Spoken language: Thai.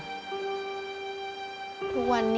ถ้าได้เงินสักก้อนหนึ่ง